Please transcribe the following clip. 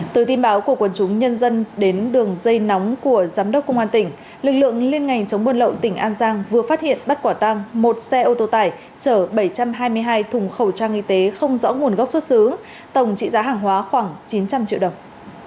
từ tin báo của quân chúng nhân dân đến đường dây nóng của giám đốc công an tỉnh lực lượng liên ngành chống buôn lậu tỉnh an giang vừa phát hiện bắt quả tăng một xe ô tô tải chở bảy trăm hai mươi hai thùng khẩu trang y tế không rõ nguồn gốc xuất xứ tổng trị giá hàng hóa khoảng chín trăm linh triệu đồng